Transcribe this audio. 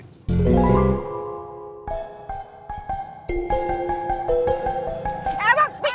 eh pak empik